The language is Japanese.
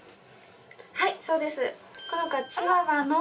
はいそうです。